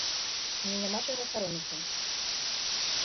Мне няма чаго саромецца.